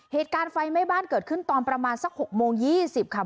เหตุการณ์ไฟไหม้บ้านเกิดขึ้นตอนประมาณสัก๖โมง๒๐ค่ะ